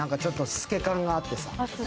透け感があってさ。